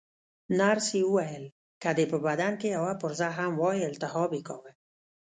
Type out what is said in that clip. نرسې وویل: که دې په بدن کې یوه پرزه هم وای، التهاب یې کاوه.